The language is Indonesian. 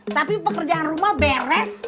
tapi pekerjaan rumah beres